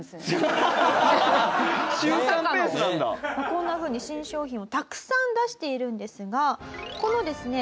こんなふうに新商品をたくさん出しているんですがこのですね